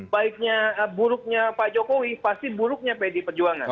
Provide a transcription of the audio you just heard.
baiknya buruknya pak jokowi pasti buruknya pd perjuangan